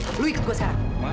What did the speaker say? tunggu lu ikut gue sekarang